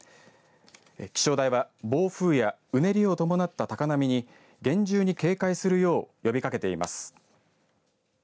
気象台は暴風やうねりを伴った高波に厳重に警戒するよう呼びかけています。